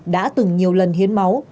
đã từng nhiều lần hiến máu